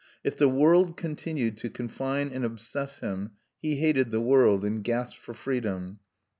If the world continued to confine and obsess him, he hated the world, and gasped for freedom.